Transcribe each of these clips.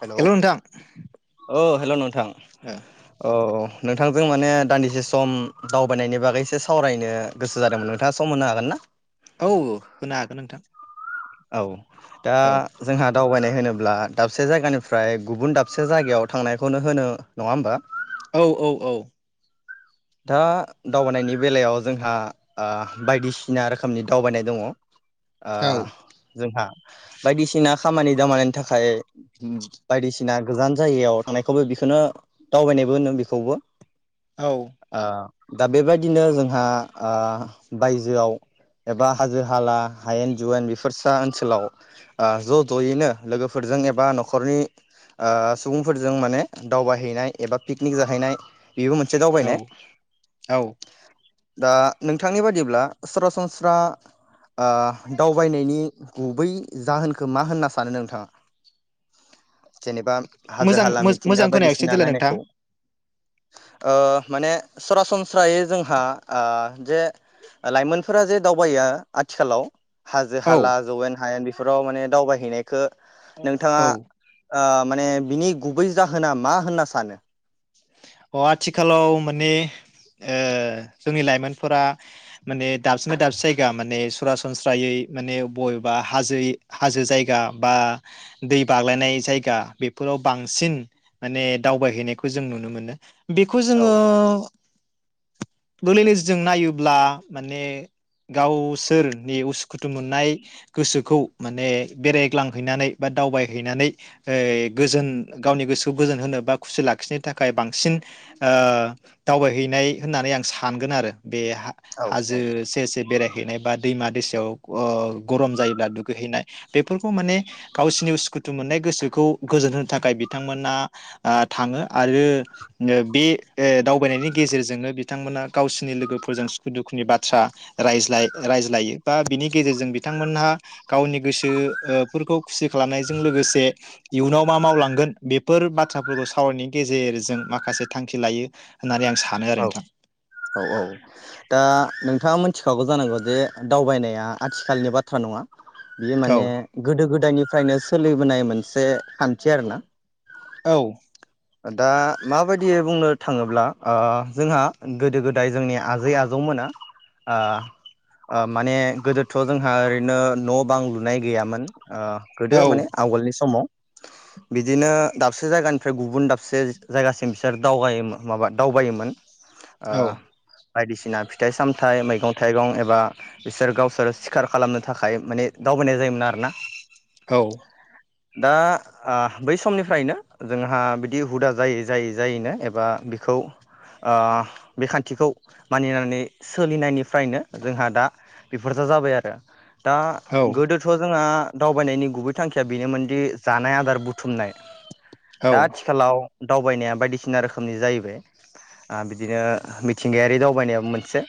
Hello hello नोंथां ओ। Hello नों थां अ औ। नोंथांजों माने दान्दिसे सम दावबायनायनि बागैसो सावरायनो गोसो जादोंमोन नोंथाङा सम होनो हागोन ना? औ होनो हागोन नोंथां। औ। दा औ जोंहा दावबायनाय होनोब्ला दाबसे जायगानिफ्राय गुबुन दाबसे जायगायाव थांनायखौनो होनो नङा होमबा। औ औ औ। दा दावबायनायनि बेलायाव जोंहा ओ बायदिसिना रोखोमनि दावबायनाय दङ। ओ औ जोंहा बायदिसिना खामानि दामानिनि थाखाय बायदिसिना गोजान जायगायाव थांनायखौबो बिखोनो दावबायनायबो होनो बेखौबो। औ ओ दा बेबायदिनो जोंहा ओ बायजोआव एबा हाजो हाला हायेन जुवेन बेफोरसा ओनसोलाव ओ ज' ज'यैनो लोगोफोरजों एबा न'खरनि ओ सुबुंफोरजों माने दावबायहैनाय एबा पिकनिक जाहैनाय बेबो मोनसे औ दावबायनाय। औ। दा नोंथांनि बादिब्ला सरासनस्रा ओ दावबायनायनि गुबै जाहोनखौ मा होनना सानो नोंथाङा? जेनेबा हाजो मोजां हाला मिथिंगा मोजां खोनायाखिसै बायदिसिना देलाय नोंथां नायनायखौ ओ माने सरासनस्रायै जोंहा ओ जे लाइमोनफोरा जे दावबायो आथिखालाव हाजो औ हाला जौयेन हायेन बेफोराव माने दावबाय हैनाय खो नोंथाङा औ ओ माने बिनि गुबै जाहोना मा होनना सानो? अ आथिखालाव माने ओ जोंनि लाइमोनफोरा माने दाबसेनिफाय दाबसे जायगा माने सरासनस्रायै माने बबेबा हाजो हाजो जायगा बा दै बाग्लायनाय जायगा बेफोराव बांसिन माने दावबायहैनायखौ जों जों नुनो मोनो। बेखौ औ जोङो [unintelligible] जों नायोब्ला माने गावसोरनि उसुखुथु मोननाय गोसोखौ माने बेरायग्लांहैनानै बा दावबायहैनानै गोजोन गावनि गोसोखौ गोजोन होनो बा खुसि लाखिनो थाखाय बांसिन ओ दावबायहैनाय होननानै आं सानगोन आरो। बे हा-हाजो औ सेर सेर बेराय हैनाय बा दैमा दैसायाव ओ गरम जायोब्ला दुगैहैनाय बेफोरखौ माने गावसोरनि उसुखुथु मोननाय गोसोखौ गोजोन होनो थाखाय बिथांमोना ओ थाङो। आरो बे दावबायनायनि गेजेरजोंनो बिथांमोनहा गावसिनि लोगोफोरजों सुखु दुखुनि बाथ्रा रायज्लाय रायज्लायो बा बिनि गेजेरजों बिथांमोनहा गावनि गोसोफोरखौ खुसि खालामनायजों लोगोसे इयुनाव मा मावलांगोन बेफोर बाथ्राफोरखौ सावरायनायनि गेजेरजों माखासे थांखि लायो। होननानै आं सानो आरो औ नोंथां औ औ दा नोंथाङा मोन मिथिखागौ जानांगौ जे दावबायनाया आथिखालनि बाथ्रा नङा। बेयो औ माने गोदो गोद गोदायनिफ्रायनो सोलिबोनाय मोनसे खान्थि आरोना औ। दा माबायदियै बुंनो थाङोब्ला ओह जोंहा गोदो गोदाय जोंनि आजै आजौमोना ओह ओह माने गोदोथ' जोंहा ओरैनो न' बां लुनाय गैयामोन। ओह औ गोदो माने आवगोलनि समाव। बिदिनो दाबसे जायगानिफ्राय गुब गुबुन दाबसे जायगासिम बिसोर दावगायोमो माबा दावबायोमोन। ओ बायदिसिना फिथाइ सामथाइ मैगं थाइगं एबा बिसोर गावसोर सिखार खालामनो थाखाय माने दावबायनाय जायोमोन आरोना। औ। दा आह बै समनिफ्रायनो जोंहा बि बिदि हुदा जायै जायै जायैनो एबा बेखौ ओह बे खान्थिखौ मानिनानै सोलिनायनिफ्रायनो जोंहा दा बेफोरजा जाबाय आरो। दा गोदोथ' जोंहा दावबायनायनि गुबै थांखिया बेनोमोनदि जानाय आदार बुथुमनाय। औ। औ दावबायनाया बायदिसिना रोखोमनि जाहैबाय आह बिदिनो मिथिंगायारि दावबायनायाबो मोनसे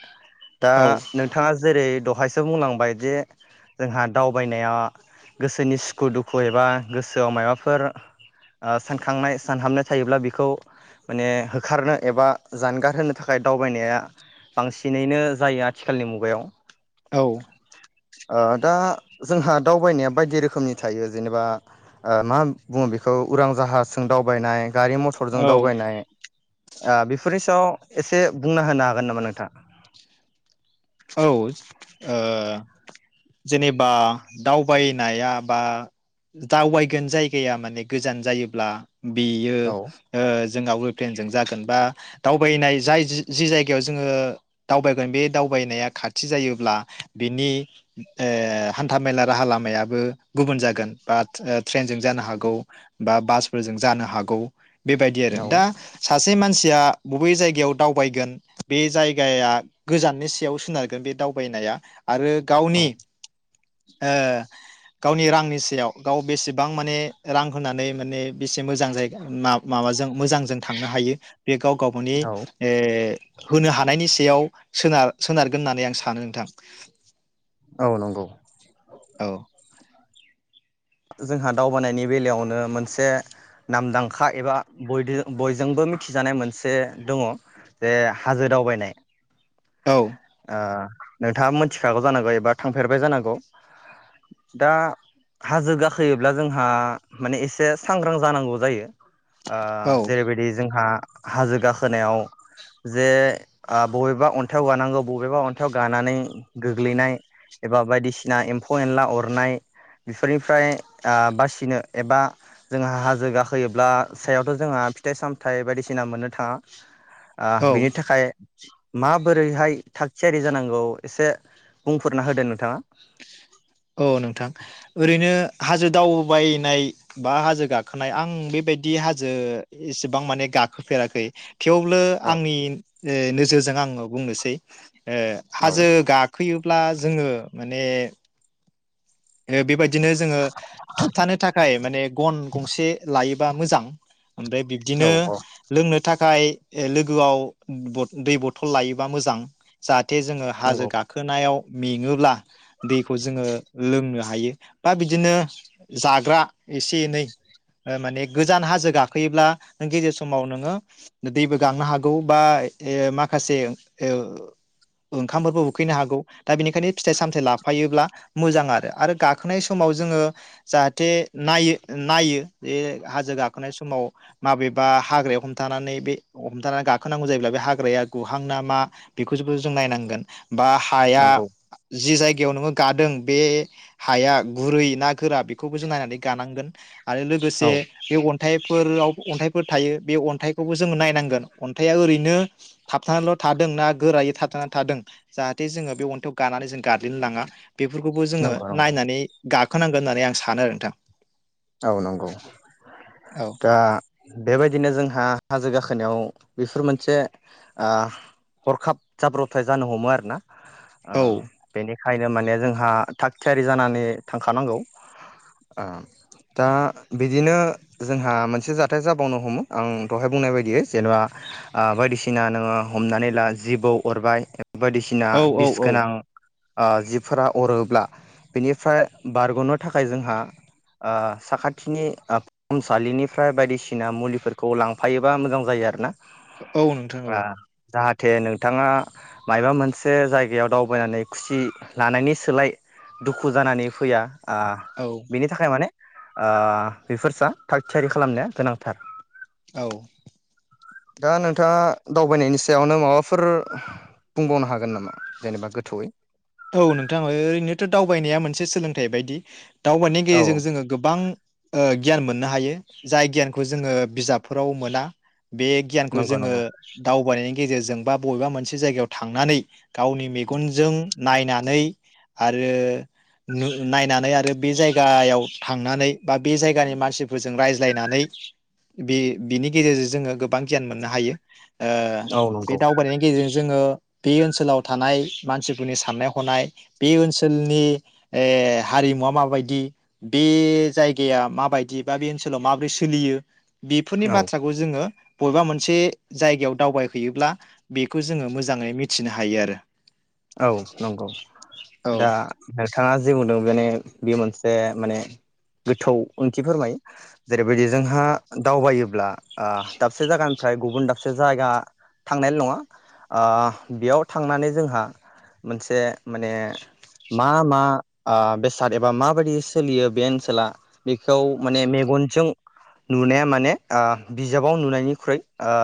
दा औ नोंथाङा जे जेरै दहायसो बुंलांबायजे जोंहा दावबायनाया गोसोनि सुखु दुखु एबा गोसोआव मायबाफोर ओह सानखांनाय सानहाबनाय थायोब्ला बेखौ माने होखारनो एबा जानगार होनो थाखाय दावबायनाया बांसिनैनो जायो आथिखालनि मुगायाव। औ। ओह दा जोंहा दावबायनाया बायदि रोखोमनि थायो जेनेबा ओह मा बुङो बेखौ उरां जाहाजजों दाव बायनाय गारि मथरजों दावबायनाय। ओह बेफोरनि सायाव एसे बुंना होनो हागोन नामा नोंथाङा? औ जे ओह जेनेबा दावबायनाया बा दावबायगोन जायगाया माने गोजान जायोब्ला बियो औ ओह जोंना उरुप्लेनजों जागोन बा दावबायनाय जाय जि-जि जायगायाव जोङो दावबायगोन बे दाव दावबायनाया खाथि जायोब्ला बिनि ओ हान्थामेला राहा लामायाबो गुबुन जागोन बा ट्रे-ट्रेनजों जानो हागौ बा बासफोरजों जानो हागौ। बेबायदि आरो औ दा सासे बै मानसिया बबे जायगायाव दावबायगोन बे जायगाया गोजाननि सि याव सोनारगोन बे दावबायनाया आरो गावनि ओह गावनि रांनि सेयाव गाव बेसेबां माने रां होनानै माने बेसे मोजां जायगा माब-माबाजों मोजांजों थांनो हायो बे गाव गावबोनि औ ओह होनो हानायनि सायाव सोनार सोनारगोन होननानै आं सानो नोंथां औ नंगौ औ जोंहा दावबायनायनि बेलायावनो मोनसे नामदांखा एबा बयदिजो बयजोंबो मिथिजानाय मोनसे दङ जे हाजो दावबायनाय औ ओ नोंथाङा मिथिखागौ जानांगौ एबा थांफेरबाय जानांगौ दा हाजो गाखोयोब्ला जोंहा माने एसे सांग्रां जानांगौ जायो ओ औ जेरैबायदि जोंहा हाजो गाखोनायाव जे ओ बबेबा अन अन्थायाव गानांगौ बबेबा अन्थायाव गानानै गोग्लैनाय एबा बायदिसिना एम्फौ एनला अरनाय बेफोरनिफ्राय ओ बासिनो एबा जोंहा हाजो गाखोयोब्ला सायावथ' जोंहा फिथाइ सामथाइ बायदिसिना मोननो थाङा ओ औ बिनि थाखाय मा बोरैहाय थागथियारि जानांगौ एसे बुंफोरना होदों नोंथाङा औ नोंथां ओरैनो हाजो दावबायनाय बा हाजो गाखोनाय आं बेबायदि हाजो एसेबां माने गाखोफेराखै थेवबो औ आंनि नोजोरजों आङो बुंनोसै ए औ हाजो गाखोयो ब्ला जोङो माने बेबायदिनो जोङो थुबथानो थाखाय माने गन गंसे लायो बा मोजां ओमफ्राय बिब्दिनो औ लोंनो थाखाय लोगोआव बद दै बथल लायोबा मोजां जा जाथे जोङो हाजो नंगौ गाखोनायाव मेङोब्ला दैखौ जोङो लोंनो हायो बा बिदिनो जाग्रा एसे एनै माने गोजान हाजो गाखोयोब्ला नों गेजेर समाव नोङो दैबो गांनो हागौ बा माखासे ओंखामफोरबो उखैनो हागौ दा बेनिखायनो फिथाइ सामथाइ लाफायोब्ला मोजां आरो आरो गाखोनाय समाव जोङो जाहाथे नायो नायो बे हाजो गाखोनाय समाव माबेबा हाग्राया हमथानानै बे हमथानानै गाखोनांगौ जायोब्ला बे हाग्राया गुहां ना मा बेखौबो जों नायनांगोन बा हाया नंगौ जि जायग गायाव नोङो गादों बे हाया गुरै ना गोरा बेखौबो जों नायनानै गानांगोन आरो लोगोसे औ बे अन अन्थाइफोराव अन्थाइफोर थायो बे अन्थाइखौबो जों नायनांगोन अन्थाइआ ओरैनो थाबथानाल' थादों ना गोरायै थाबथाना थादों जाहाथे जोङो बे अन्थाइआव गानानै जों गाद्लिन लाङा बे बेफोरखौबो जोङो नंगौ नंगौ नायनानै गाखोनांगोन होननानै आं सानो आरो नोंथां। औ नंगौ औ दा बेबायदिनो जोंहा हाजो गाखोनायाव बेफोर मोनसे हरखाब ओ जाब्रबथाय जानो हमो आरोना। ओ औ बेनि खायनो माने जोंहा थाग थियारि जानानै थांखानांगौ। दा बिदिनो जोंहा मोनसे जाथाय जाबावनो हमो आं दहाय बुंनाय बायदियै जेन'बा बायदिसिना नोङो हमनानै ला जिबौ अरबाय बायदिसिना औ औ बिस औ गोनां ओ जिबफोरा अरोब्ला बिनिफ्राय बारग'नो थाखाय जोंहा। साखाथिनि फाहामसालिनिफ्राय बायदिसिना मुलिफोरखौ लांफायोबा मोजां जायो आरोना। औ नोंथां औ। जाथे नोंथाङा मायबा मोनसे जायगायाव दावबायनानै खुसि लानायनि सोलाय दुखु जानानै फैया। ओ औ बिनि थाखाय माने। ओ [unintelligible] थाग थियारि खालामनाया गोनांथार। औ। दा नोंथाङा दावबायनायनि सायावनो माबाफोर बुंबावनो हागोन नामा? जेनेबा गोथौयै। औ नोंथाङा ओरैनोथ' दावबायनाया मोनसे सोलोंथाइ बायदि। दावबायनायनि औ गेजेरजों जोङो गोबां। गियान मोननो हायो जाय गियानखौ जोङो बिजाबफोराव मोना। बे गियानखौ नंगौ जोङो नंगौ दावबायनायनि गेजेरजों बा बबेबा मोनसे जायगायाव थांनानै गावनि मेगनजों। नायनानै आरो नायनानै आरो बे जायगायाव थांनानै बा बे जायगानि मानसिफोरजों रायज्लायनानै बे बिनि गेजेरजों जोङो गोबां गियान मोननो हायो। ओ औ बे नंगौ दावबायनायनि गेजेरजों जोङो। बे ओनसोलाव थानाय मानसि साननाय हनाय बे ओनसोलनि हारिमुवा माबायदि बे जायगाया माबायदि बा बे ओनसोलाव माबोरै सोलियो। बेफोरनि औ बाथ्राखौ जोङो। बबेबा मोनसे जायगायाव दावबायहैयोब्ला बेखौ जोङो मोजाङै मिथिनो हायो आरो। औ नंगौ औ दा नोंथाङा जे बुंदों माने। बेयो मोनसे माने गोथौ ओंथि फोरमायो जेरैबायदि जोंहा दावबायोब्ला दाबसे जायगानिफ्राय गुबुन दाबसे जायगा थांनायल' नङा ओ बेयाव थांनानै जोंहा। मोनसे माने मा मा ओ बेसाद एबा माबायदि सोलियो बे ओनसोला बेखौ माने मेगनजों नुनाया माने बिजाबाव नुनायनिख्रुइ ओ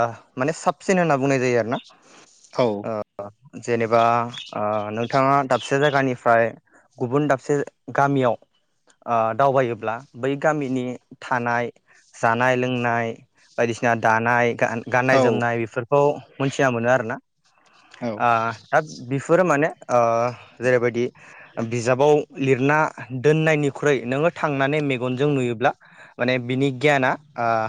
माने साबसिन होनना बुंनाय जायो आरोना। औ। जेनेबा। ओ नोंथाङा दाबसे जायगानिफ्राय गुबुन दाबसे गामियाव दावबायोब्ला बै गामिनि थानाय जानाय लोंनाय बायदिसिना दानाय गान गाननाय जोमनाय बेफोरखौ मोनथिना मोनो आरोना। औ [unintelligible] बिफोरो माने जेरैबायदि बिजाबाव लिरना दोननायनिख्रुइ नोंङो थांनानै मेगनजों नुयोब्ला माने बिनि गियाना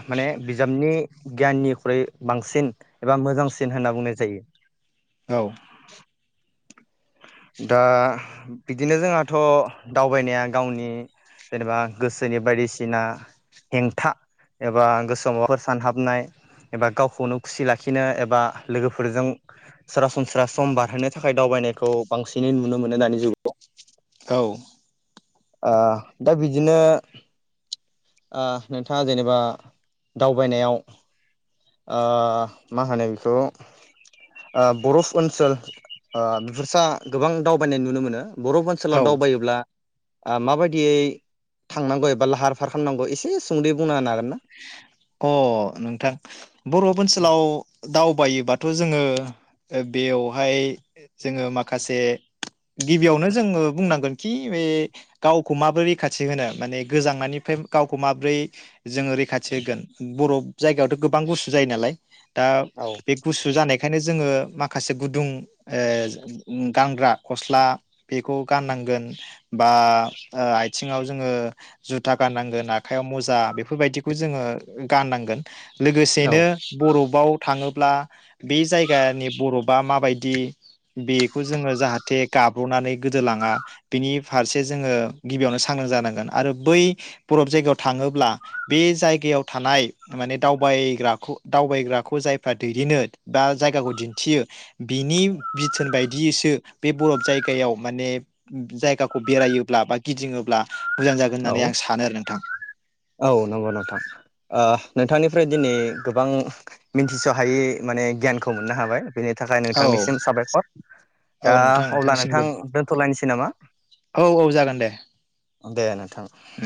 माने बिजाबनि गियाननिख्रुइ बांसिन एबा मोजांसिन होनना बुंनाय जायो। औ दा बिदिनो जोंहाथ' दावबायनाया गावनि जेनेबा गोसोनि बायदिसिना हेंथा एबा गोसोआव माबाफोर सानहाबनाय एबा गावखौनो खुसि लाखिनो एबा लोगोफोरजों सरासनस्रा सम बारहोनो थाखाय दावबायनाय खौ बांसिनै नुनो मोनो दानि जुगाव। औ ओ दा बिदिनो नोंथाङा जेनेबा दावबायनायाव ओ मा होनो बेखौ बरफ ओनसोल ओ बिफोरसा गोबां दावबायनाय नुनो मोनो। बरफ औ ओनसोलाव दावबायोब्ला ओ माबायदियै थांनांगौ एबा लाहार फाहार खालामनांगौ एसे सुंदै बुंनो हागोन ना? अ नोंथां बरफ ओनसोलाव दावबायोबा थ' जोंङो बेयावहाय जोंङो माखासे गिबियावनो जोंङो बुंनांगोन खि बे गावखौ माबोरै रैखाथि होनो माने गोजांनायनिफ्राय गावखौ माबोरै जोंङो रै खाथि होगोन बरफजायगायावथ' गोबां गुसु जायो नालाय दा औ बे गुसु जानायखायनो जोंङो माखासे गुदुं गानग्रा गस्ला बेखौ गाननांगोन बा आयथिङाव जोंङो जुथा गाननांगोन आखाइयाव मुजा बेफोरबायदि बे खौ जोंङो गाननांगोन लोगोसेनो बर' बाव थाङोब्ला बे जायगानि बरफआ माबायदि बेखौ जोंङो जाहाथे गाब्र'नानै गोदोलाङा बेनि फारसे जोंङो गिबियावनो सांग्रां जानांगोन आरो बै बरफ जायगायाव थाङोब्ला बे जायगायाव थानाय माने दावबायग्राखौ-दावबायग्राखौ जायफ्रा दैदेनो बा जायगाखौ दिन्थियो बिनि बिथोन बायदियैसो बे बरफ जायगायाव माने जायगाखौ बेरायोब्ला बा गिदिङोब्ला मोजां जागोन औ होननानै आं सानो आरो नोंथां औ नंगौ नोंथां नोंथांनिफ्राय दिनै गोबां मिथिस' हायै माने गियानखौ मोननो हाबाय बेनि थाखाय औ नोंथांनिसिम साबायखर दा औ नोंथां अब्ला नोंथांसिमबो नोंथां दोनथ'लायनोसै नामा औ औ जागोन दे दे नों थां उम